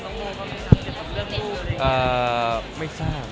เพราะมีข่าวเกี่ยวกับเรื่องรูปอะไรอย่างนี้